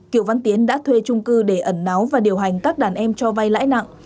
kiều văn tiến đã thuê trung cư để ẩn náu và điều hành các đàn em cho vay lãi nặng